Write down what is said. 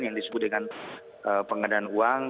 yang disebut dengan pengadaan uang